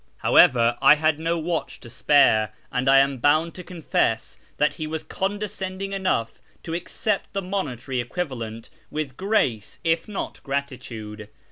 However, I had no watch to spare ; and I am bound to confess " that he was condescending enough to accept the monetary equivalent with grace if not gratitude.